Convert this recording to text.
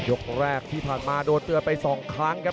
แรกที่ผ่านมาโดนเตือนไป๒ครั้งครับ